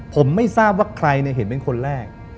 ผมไม่ทราบว่าใครเห็นเป็นคนแรก